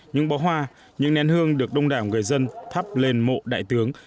những bó hoa những nén hương được đông đảo người dân thắp lên mộ đại tướng